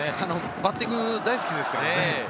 バッティング大好きですからね。